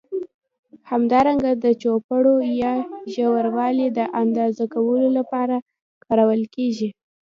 همدارنګه د چوړپو یا ژوروالي د اندازه کولو له پاره کارول کېږي.